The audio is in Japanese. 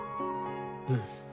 うん。